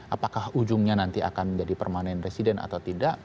apakah ujungnya nanti akan menjadi permanent resident atau tidak